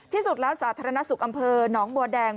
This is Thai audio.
ที่สุดแล้วสาธารณสุขอำเภอหนองบัวแดง